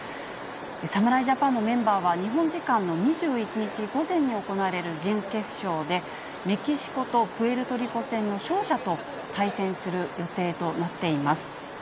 侍ジャパンのメンバーは、日本時間の２１日午前に行われる準決勝で、メキシコとプエルトリコ戦の勝者と対戦する予定となっています。